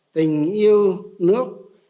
tình yêu nước